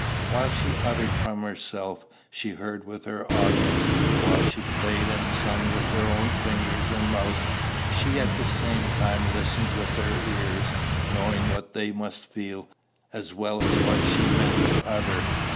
While she uttered from herself, she heard with her audience; while she played and sung with her own fingers and mouth, she at the same time listened with their ears, knowing what they must feel, as well as what she meant to utter.